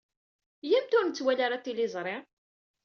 Iyyamt ur nettwali ara tiliẓri.